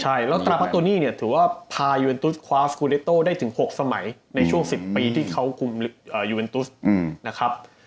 ใช่แล้วสตราพัฒโตนี่เนี่ยถือว่าพายูเอ็นตุสคว้าสกูเดโต้ได้ถึง๖สมัยในช่วง๑๐ปีที่เขาคุมยูเอ็นตุสนะครับ